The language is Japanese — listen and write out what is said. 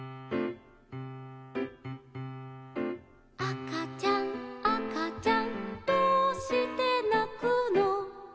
「あかちゃんあかちゃんどうしてなくの」